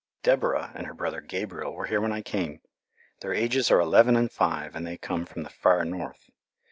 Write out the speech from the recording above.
Deborah and her brother Gabriel were here when I came. Their ages are eleven and five, and they come from the far north.